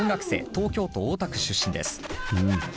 東京都大田区出身です。